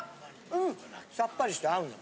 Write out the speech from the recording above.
うんさっぱりして合うね。